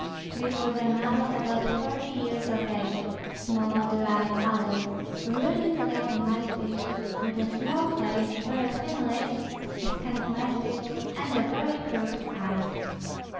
This was a noble about forty years of age, small, dry, alert, wriggling like a mud fish, with a small face, very thin lips, a scant mustache, and very crooked eyes.